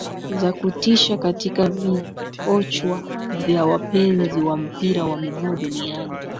Za kutisha katika viochwa vya wapenzi wa mpira wa miguu duniani